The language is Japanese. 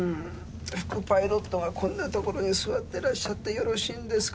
副パイロットがこんなところに座ってらっしゃってよろしいんですか？